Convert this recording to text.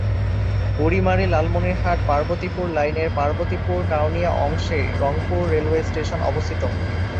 বুড়ীমারি-লালমনিরহাট-পার্বতীপুর লাইনের পার্বতীপুর-কাউনিয়া অংশে Rangpur railway station অবস্থিত।